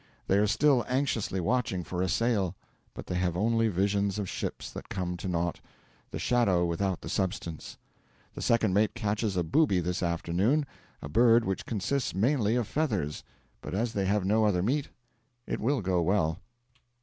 They are still anxiously watching for a sail, but they have only 'visions of ships that come to naught the shadow without the substance.' The second mate catches a booby this afternoon, a bird which consists mainly of feathers; 'but as they have no other meat, it will go well.'